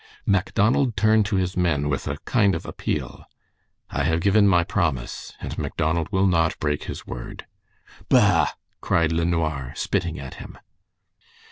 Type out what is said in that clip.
Macdonald turned to his men with a kind of appeal "I hev given my promise, and Macdonald will not break his word." "Bah!" cried LeNoir, spitting at him.